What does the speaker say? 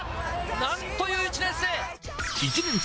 なんという１年生。